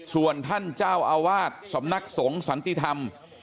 ส่วนท่านเจ้าอาวาสสำนักสงฆ์สันติธรรม